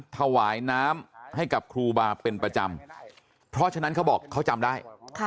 ถวายน้ำให้กับครูบาเป็นประจำเพราะฉะนั้นเขาบอกเขาจำได้